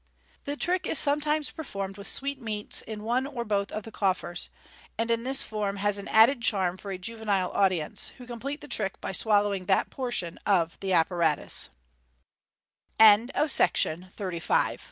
The trick is sometimes performed with sweetmeats in one or both of the coffers, and in this form has an added charm for a juvenile audience, who complete the trick by swallowing that portion of the apparatus. The Bran and Orange Trick.